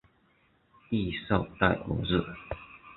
蒂绍代尔日。